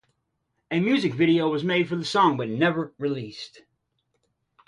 A music video was made for the song, but never released.